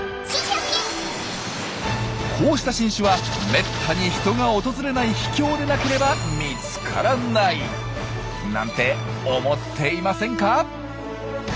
こうした新種はめったに人が訪れない秘境でなければ見つからないなんて思っていませんか？